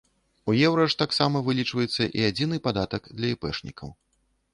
У еўра ж таксама вылічваецца і адзіны падатак для іпэшнікаў.